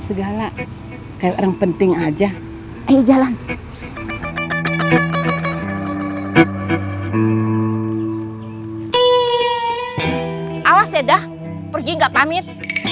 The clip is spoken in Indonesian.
segala kayak orang penting aja ayo jalan awas ya dah pergi enggak pamit